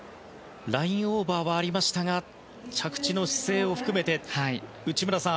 ラインオーバーはありましたが着地の姿勢を含めて、内村さん